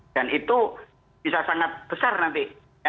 dan itu bisa sangat besar nanti